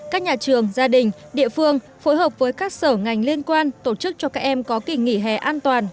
các nhà trường gia đình địa phương phối hợp với các sở ngành liên quan tổ chức cho các em có kỳ nghỉ hè an toàn